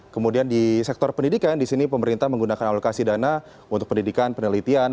kemudian di sektor pendidikan di sini pemerintah menggunakan alokasi dana untuk pendidikan penelitian